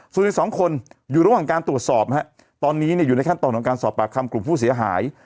ส่วนอีก๒คนอยู่ระหว่างการตรวจสอบตอนนี้อยู่ในขั้นตอนของการสอบปากคำกลุ่มผู้เสียหาย